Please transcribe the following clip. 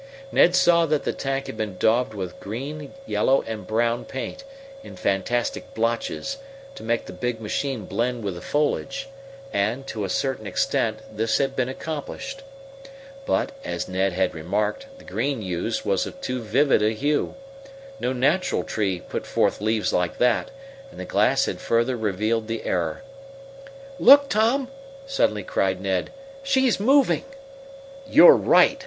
Ned saw that the tank had been daubed with green, yellow, and brown paint, in fantastic blotches, to make the big machine blend with the foliage; and, to a certain extent, this had been accomplished. But, as Ned had remarked, the green used was of too vivid a hue. No natural tree put forth leaves like that, and the glass had further revealed the error. "Look, Tom!" suddenly cried Ned. "She's moving!" "You're right!"